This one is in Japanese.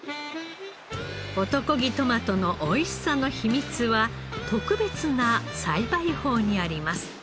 男気トマトの美味しさの秘密は特別な栽培法にあります。